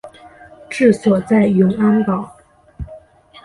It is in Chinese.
治所在永安堡。